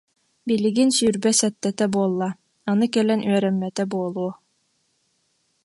Билигин сүүрбэ сэттэтэ буолла, аны кэлэн үөрэммэтэ буолуо